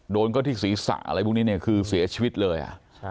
โดนเข้าที่ศีรษะอะไรพวกนี้เนี่ยคือเสียชีวิตเลย